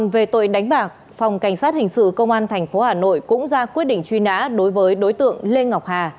văn phòng cảnh sát hình sự công an tp hà nội cũng ra quyết định truy nã đối với đối tượng lê ngọc hà